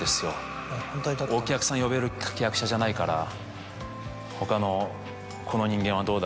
お客さん呼べる役者じゃないから他のこの人間はどうだ？